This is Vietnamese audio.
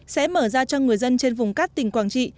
sẽ mở ra cho người dân trên vùng cát tỉnh quảng trị